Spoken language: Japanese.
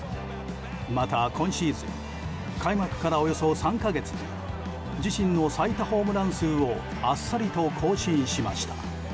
また、今シーズン開幕からおよそ３か月で自身の最多ホームラン数をあっさりと更新しました。